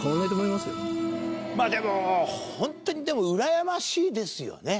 まぁでもホントにでもうらやましいですよね。